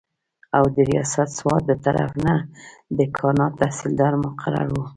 او د رياست سوات دطرف نه د کاڼا تحصيلدار مقرر وو